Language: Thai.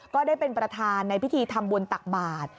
ก็ได้เป็นประธานในพิธีทำบุญตักบาท